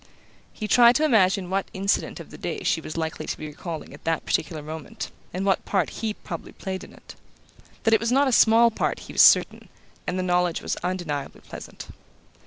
He tried to imagine what incident of the day she was likely to be recalling at that particular moment, and what part he probably played in it. That it was not a small part he was certain, and the knowledge was undeniably pleasant.